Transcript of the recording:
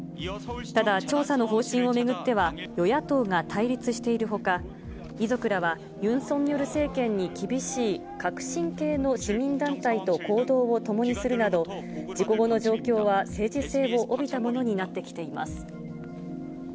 ただ調査の方針を巡っては、与野党が対立しているほか、遺族らは、ユン・ソンニョル政権に厳しい革新系の市民団体と行動を共にするなど、事故後の状況は政治性を帯びたものとなってきています。